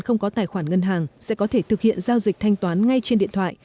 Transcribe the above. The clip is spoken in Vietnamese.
không có tài khoản ngân hàng sẽ có thể thực hiện giao dịch thanh toán ngay trên điện thoại